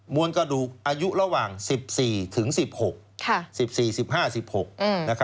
มวนกระดูกอายุระหว่าง๑๔ถึง๑๖